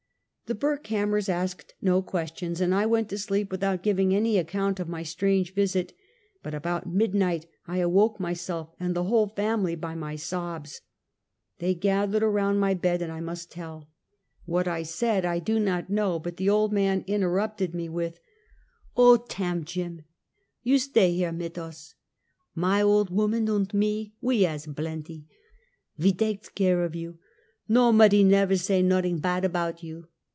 The Burkhamraers asked no questions, and I went to sleep without giving any account of my strange visit, but about midnight I awoke myself and the whole family by my sobs. They gathered around mj' bed, and I must tell. What I said I do not know, but the old man interrupted me with: " Oh tamm Jim. You stay here mit us. My old woman und me, we has blenty. "We dakes care of you. JN'opody never said nodding bad about you.